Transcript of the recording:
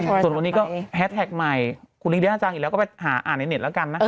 ส่วนวันนี้ก็แฮสแท็กใหม่คุณลิงเดี้ยน่าจังอีกแล้วก็ไปหาอ่านในเน็ตแล้วกันนะคะ